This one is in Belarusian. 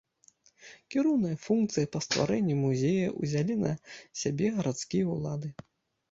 Кіроўныя функцыі па стварэнні музея ўзялі на сябе гарадскія ўлады.